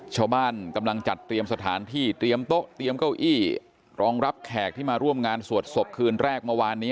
ชาวบ้านกำลังจัดเตรียมสถานที่เตรียมโต๊ะเตรียมเก้าอี้รองรับแขกที่มาร่วมงานสวดศพคืนแรกเมื่อวานนี้